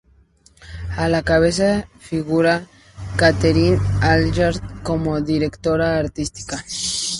A la cabeza figura Catherine Allard como directora artística.